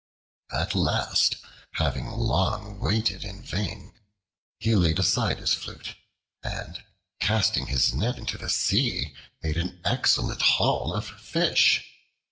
At last, having long waited in vain, he laid aside his flute, and casting his net into the sea, made an excellent haul of fish.